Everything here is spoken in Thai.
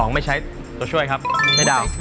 ไม่ใช่ตัวช่วยด้วยต้องครับ